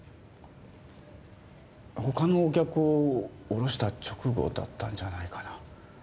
他のお客を降ろした直後だったんじゃないかな。